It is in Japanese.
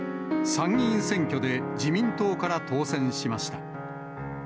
参議院選挙で自民党から当選しました。